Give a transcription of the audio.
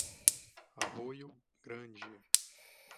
Arroio Grande